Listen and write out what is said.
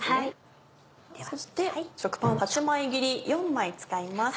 そして食パン８枚切り４枚使います。